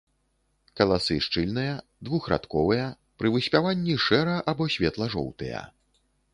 Каласы шчыльныя, двухрадковыя, пры выспяванні шэра- або светла-жоўтыя.